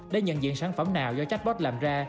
để nhận diện sản phẩm nào do chatbot làm ra